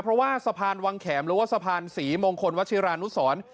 เพราะว่าสะพานวังแขมหรือว่าสะพานศรีมงคลวัชิรานุสร